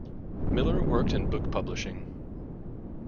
Miller worked in book publishing.